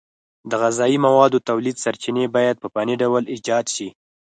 د غذایي موادو تولید سرچینې باید په فني ډول ایجاد شي.